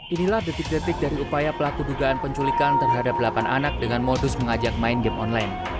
inilah detik detik dari upaya pelaku dugaan penculikan terhadap delapan anak dengan modus mengajak main game online